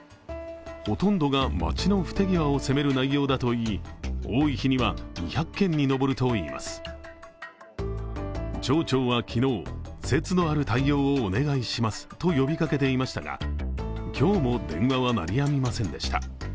ほとんどが町の不手際を責める内容だといい町長は昨日、節度ある対応をお願いしますと呼びかけていましたが今日も電話は鳴りやみませんでした。